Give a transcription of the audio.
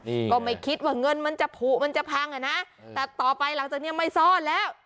นี่ก็ไม่คิดว่าเงินมันจะผูกมันจะพังอ่ะนะแต่ต่อไปหลังจากเนี้ยไม่ซ่อนแล้ว